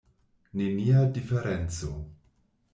Nenia diferenco!